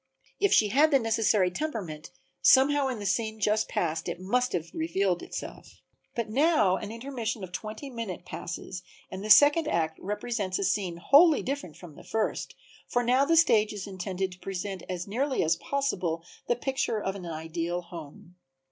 If she had the necessary temperament somehow in the scene just past it must have revealed itself. But now an intermission of twenty minutes passes and the second act represents a scene wholly different from the first, for now the stage is intended to present as nearly as possible the picture of an ideal home.